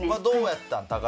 どうやったん？